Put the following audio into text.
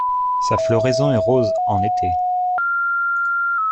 Sa floraison est rose, en été.